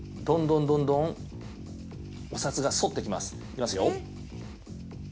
どんどん、どんどん反ってきます。